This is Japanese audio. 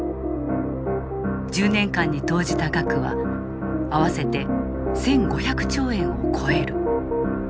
１０年間に投じた額は合わせて１５００兆円を超える。